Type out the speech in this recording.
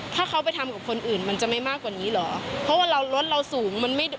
ถ้าเขาไปทำกับคนอื่นมันจะไม่มากกว่านี้เหรอเพราะว่าเรารถเราสูงมันไม่